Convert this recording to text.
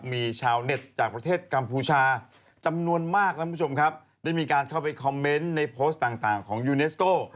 มีชาวเน็ตจากประเทศกัมพูชาจำนวนมากนะคุณผู้ชมครับได้มีการเข้าไปคอมเมนต์ในโพสต์ต่างของยูเนสโก้